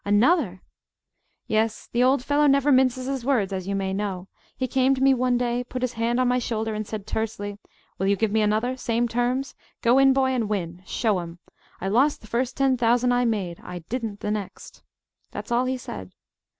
"Another!" "Yes. The old fellow never minces his words, as you may know. He came to me one day, put his hand on my shoulder, and said tersely: 'Will you give me another, same terms? Go in, boy, and win. Show 'em! I lost the first ten thousand I made. I didn't the next!' That's all he said.